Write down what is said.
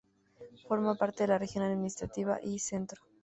Forma parte de la región administrativa I centro.